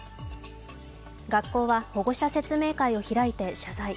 学校は保護者説明会を開いて謝罪。